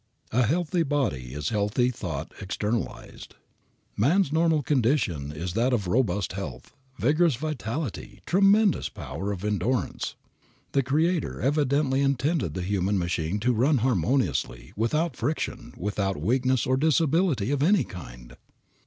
A healthy body is healthy thought externalized. Man's normal condition is that of robust health, vigorous vitality, tremendous power of endurance. The Creator evidently intended the human machine to run harmoniously, without friction, without weakness or disability of any kind.